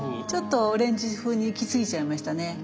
ちょっとオレンジふうにいきすぎちゃいましたね。